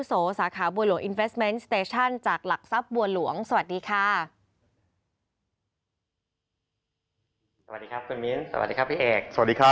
สวัสดีครับพี่เอก